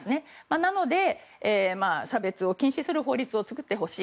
なので、差別を禁止する法律を作ってほしい。